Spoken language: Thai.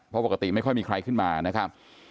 เพราะปกติไม่ค่อยมีใครขึ้นมานะครับ